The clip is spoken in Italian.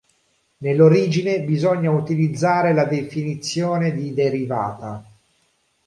Nell'origine bisogna utilizzare la definizione di derivata.